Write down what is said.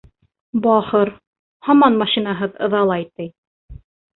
Бахыр, һаман машинаһыҙ ыҙалай, ти.